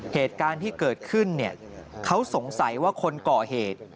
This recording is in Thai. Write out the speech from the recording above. เหตุการณ์ที่เกิดขึ้นเขาสงสัยว่าคนก่อเหตุ